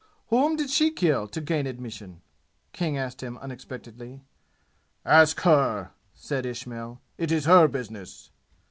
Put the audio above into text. "Whom did she kill to gain admission?" King asked him unexpectedly. "Ask her!" said Ismail. "It is her business."